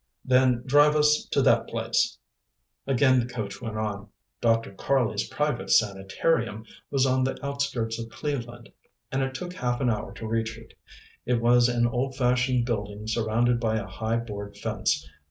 "Then drive us to that place." Again the coach went on. Dr. Karley's Private Sanitarium was on the outskirts of Cleveland, and it took half an hour to reach it. It was an old fashioned building surrounded by a high board fence.